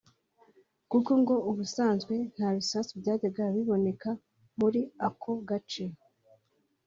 kuko ngo ubusanzwe nta bisasu byajyaga biboneka muri ako gace